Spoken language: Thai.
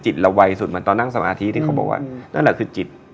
เราไวสุดเหมือนตอนนั่งสมาธิที่เขาบอกว่านั่นแหละคือจิต